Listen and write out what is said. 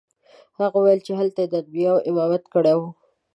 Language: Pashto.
هغه وویل چې هلته یې د انبیاوو امامت کړی دی.